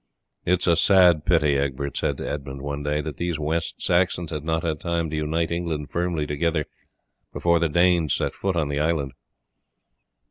"It is a sad pity," Egbert said to Edmund one day, "that these West Saxons had not had time to unite England firmly together before the Danes set foot on the island.